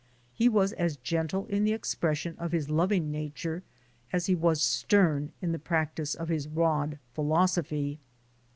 He was as gentle in the expression of his loving nature as he was stern in the practice of his rod philosophy.